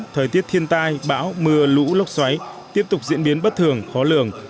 thời tiết thiên tai bão mưa lũ lốc xoáy tiếp tục diễn biến bất thường khó lường